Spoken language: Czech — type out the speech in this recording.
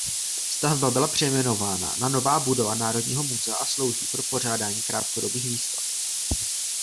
Stavba byla přejmenována na Nová budova Národního muzea a slouží pro pořádání krátkodobých výstav.